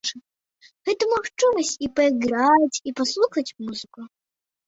Гэта магчымасць і пайграць, і паслухаць музыку.